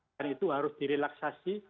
dan itu harus direlaksasi